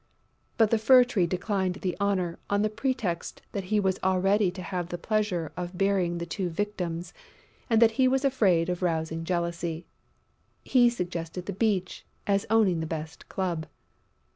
But the Fir tree declined the honour on the pretext that he was already to have the pleasure of burying the two victims and that he was afraid of rousing jealousy. He suggested the Beech, as owning the best club.